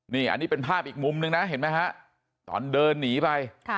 นี่อันนี้เป็นภาพอีกมุมนึงนะเห็นไหมฮะตอนเดินหนีไป